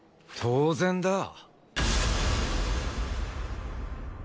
当然だ。